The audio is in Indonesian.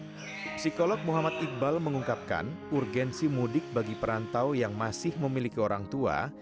psikolog muhammad iqbal mengungkapkan urgensi mudik bagi perantau yang masih memiliki orang tua